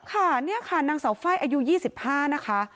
ค่ะนี่ค่ะนางเสาไฟอายุ๒๕นะคะ